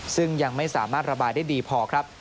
ซึ่งยังไม่สามารถระบายได้ดีพอครับ